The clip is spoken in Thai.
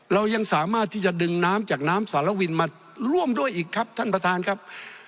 เรายังสามารถที่จะดึงน้ำจากน้ำสารวินมาร่วมด้วยอีกครับท่านประธานครับ